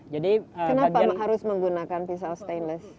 kenapa harus menggunakan pisau stainless